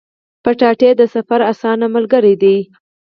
کچالو د سفر اسانه ملګری دی